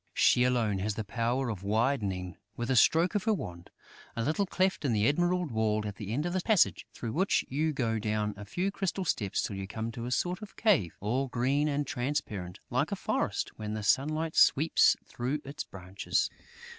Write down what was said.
She alone has the power of widening, with a stroke of her wand, a little cleft in an emerald wall at the end of the passage, through which you go down a few crystal steps till you come to a sort of cave, all green and transparent like a forest when the sunlight sweeps through its branches.